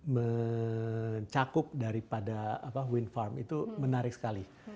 dan cakup daripada wind farm itu menarik sekali